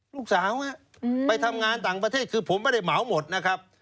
ลูกสาวไปทำงานต่างประเทศคือผมไม่ได้เหมาหมดนะครับ